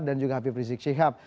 dan juga habib rizik syihab